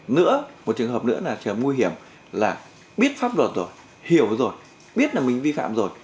nữa một trường hợp nữa là trường hợp nguy hiểm là biết pháp luật rồi hiểu rồi biết là mình vi phạm rồi